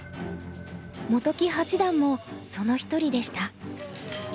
本木八段もその一人でした。